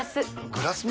グラスも？